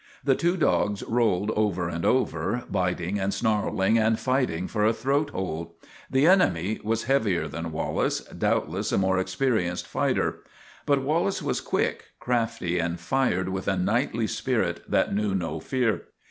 The two dogs rolled over and over, biting and snarling and fighting for a throat hold. The enemy was heavier than Wallace, doubtless a more experi enced fighter. But Wallace was quick, crafty, and fired with a knightly spirit that knew no fear.